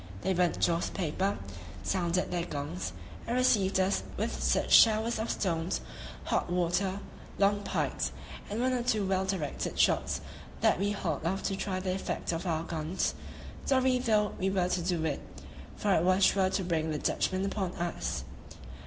They burnt joss paper; sounded their gongs, and received us with such showers of stones, hot water, long pikes, and one or two well directed shots that we hauled off to try the effect of our guns, sorry though we were to do it, for it was sure to bring the Dutchmen upon us.